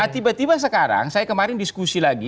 tiba tiba sekarang saya kemarin diskusi lagi